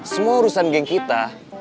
semua urusan geng kita